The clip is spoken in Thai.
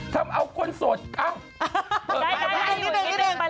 ทำเอาคนโสดเอ้าได้นี่เดิม